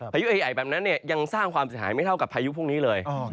ยุใหญ่แบบนั้นยังสร้างความเสียหายไม่เท่ากับพายุพวกนี้เลย